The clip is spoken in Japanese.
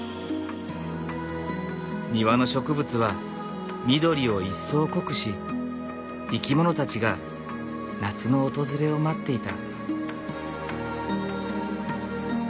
庭の植物は緑を一層濃くし生き物たちが夏の訪れを待っていた。